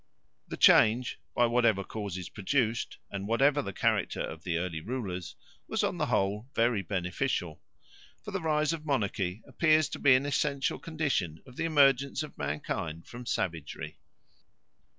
The change, by whatever causes produced, and whatever the character of the early rulers, was on the whole very beneficial. For the rise of monarchy appears to be an essential condition of the emergence of mankind from savagery.